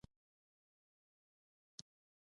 رومیان او انار دانه هم درې چارکه ورسره واچوه.